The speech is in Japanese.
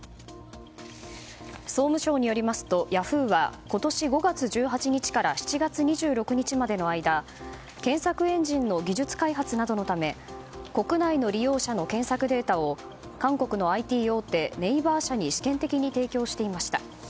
総務省によりますとヤフーは今年５月１８日から７月２６日までの間検索エンジンの技術開発などのため国内の利用者の検索データを韓国のＩＴ大手ネイバー社に試験的に提供していました。